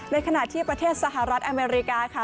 ในขณะที่ประเทศสหรัฐอเมริกาค่ะ